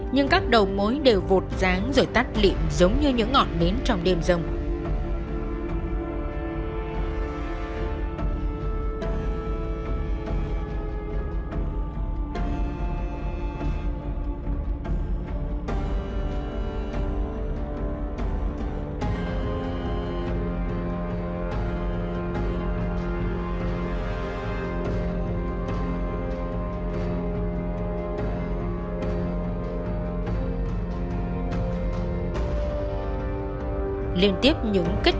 nhưng các đầu mối đều vột ráng rồi tắt liệm giống như những ngọn mến trong đêm rông